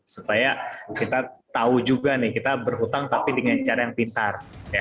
supaya kita tahu juga nih kita berhutang tapi dengan cara yang pintar